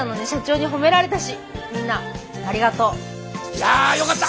いやよかった。